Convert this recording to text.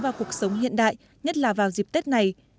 và cuộc sống hiện đại nhất là vào dịp tết này